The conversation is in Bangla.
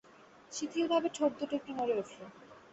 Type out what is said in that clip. শিথিলভাবে ঠোঁটদুটো একটু নড়ে উঠল।